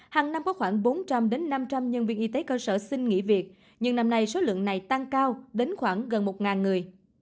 hàng năm có khoảng bốn trăm linh năm trăm linh nhân viên y tế cơ sở xin nghỉ việc nhưng năm nay số lượng này tăng cao đến khoảng gần một người